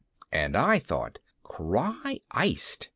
And I thought, _Cry Iced!